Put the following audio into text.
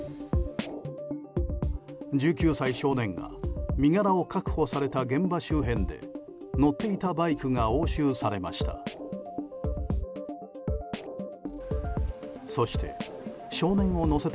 １９歳少年が身柄を確保された現場周辺で乗っていたバイクが押収されました。